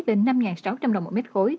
đến năm sáu trăm linh đồng một mét khối